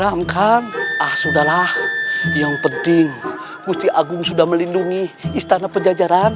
bahkan ah sudah lah yang penting gusti agung sudah melindungi istana pejajaran